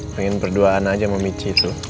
pengen berduaan aja sama michi tuh